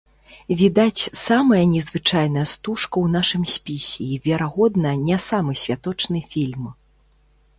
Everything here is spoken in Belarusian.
Відаць, самая незвычайная стужка ў нашым спісе і, верагодна, не самы святочны фільм.